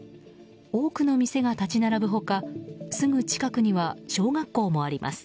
多くの店が立ち並ぶ他すぐ近くには小学校もあります。